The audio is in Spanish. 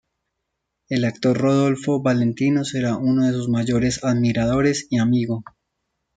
El actor Rodolfo Valentino será uno de sus mayores admiradores y amigo.